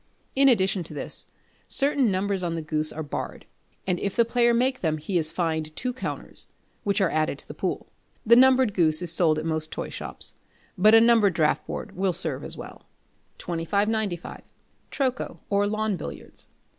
In addition to this, certain numbers on the goose are barred; and if the player make them he is fined two counters, which are added to the pool. The numbered goose is sold at most toy shops, but a numbered draughtboard will serve as well. 2595. Troco or Lawn Billiards.